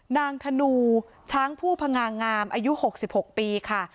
ธนูช้างผู้พงางามอายุ๖๖ปีค่ะ